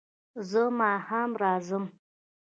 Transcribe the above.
زه ماښام راځم